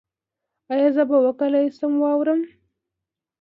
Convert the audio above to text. ایا زه به وکولی شم واورم؟